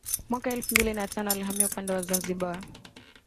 Mwaka elfu mbili na tano alihamia upande wa Zanzibar